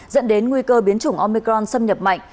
dẫn đến nguy cơ biến chủng omecron xâm nhập mạnh